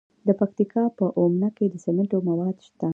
د پکتیکا په اومنه کې د سمنټو مواد شته.